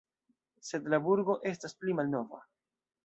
Sed la burgo estas pli malnova.